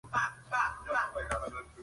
Risa Itō